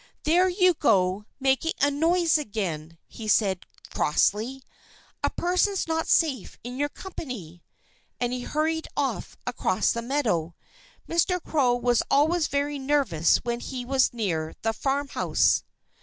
"There you go, making a noise again!" he said crossly. "A person's not safe in your company." And he hurried off across the meadow. Mr. Crow was always very nervous when he was near the farmhouse.